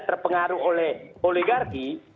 terpengaruh oleh oligarki